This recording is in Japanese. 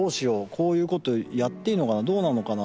こういうことをやっていいのかなどうなのかな